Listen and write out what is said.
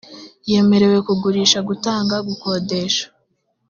wemerewe kugurisha gutanga gukodesha